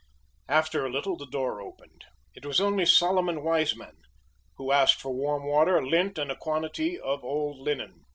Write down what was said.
After a little, the door opened. It was only Solomon Weismann, who asked for warm water, lint, and a quantity of old linen.